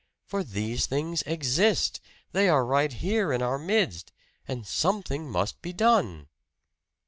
For these things exist! They are right here in our midst, and something must be done!"